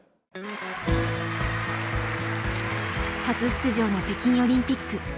初出場の北京オリンピック。